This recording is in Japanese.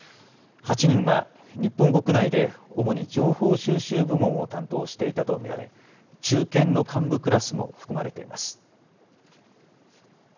８人は日本国内で主に情報収集部門を担当していたと見られ中堅の幹部クラスも含まれています。